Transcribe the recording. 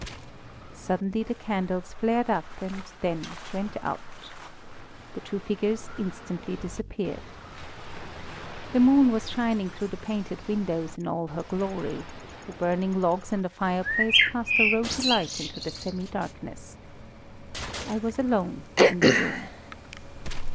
Suddenly the candles flared up, and then went out. The two figures instantly disappeared. The moon was shining through the painted windows in all her glory; the burning logs in the fireplace cast a rosy light into the semi darkness. I was alone in the room.